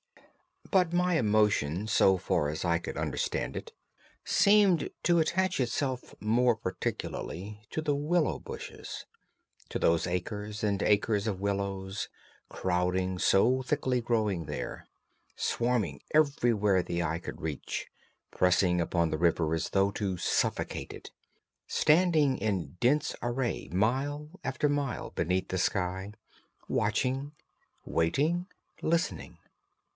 But my emotion, so far as I could understand it, seemed to attach itself more particularly to the willow bushes, to these acres and acres of willows, crowding, so thickly growing there, swarming everywhere the eye could reach, pressing upon the river as though to suffocate it, standing in dense array mile after mile beneath the sky, watching, waiting, listening.